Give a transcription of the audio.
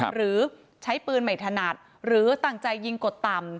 หรือใช้ปืนไม่ถนัดหรือตั้งใจยิงกดต่ำ